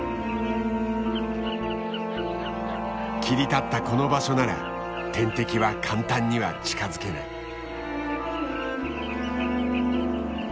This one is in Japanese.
切り立ったこの場所なら天敵は簡単には近づけない。